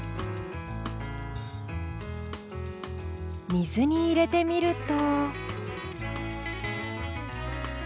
水に入れてみると。